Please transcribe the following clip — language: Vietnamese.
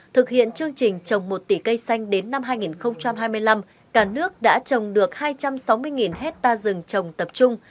thực hiện chương trình trồng một tỷ cây xanh đến năm hai nghìn hai mươi năm cả nước đã trồng được hai trăm sáu mươi hectare rừng trồng tập trung